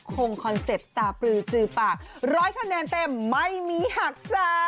คอนเซ็ปต์ตาปลือจือปากร้อยคะแนนเต็มไม่มีหักจ้า